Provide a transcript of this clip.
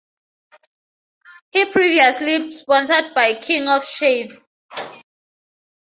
He was previously sponsored by King of Shaves.